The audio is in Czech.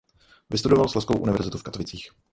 Vystudoval Slezskou univerzitu v Katovicích.